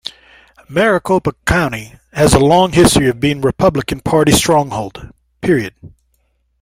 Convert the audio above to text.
Maricopa County has a long history of being a Republican Party stronghold.